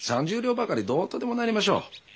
３０両ばかりどうとでもなりましょう。